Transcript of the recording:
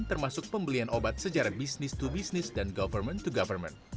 termasuk pembelian obat sejarah bisnis to bisnis dan government to government